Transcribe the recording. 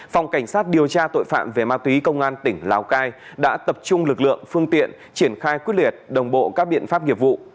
phòng cảnh sát điều tra tội phạm về ma túy công an tỉnh lào cai đã tập trung lực lượng phương tiện triển khai quyết liệt đồng bộ các biện pháp nghiệp vụ